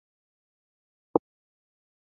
مصنوعي ځیرکتیا د ځواک او کنټرول بحث پراخوي.